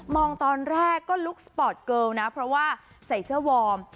ตอนแรกก็ลุกสปอร์ตเกิลนะเพราะว่าใส่เสื้อวอร์ม